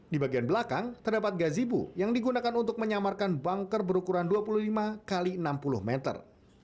di bagian belakang terdapat gazibu yang digunakan untuk menyamarkan bunker berukuran dua puluh lima x enam puluh meter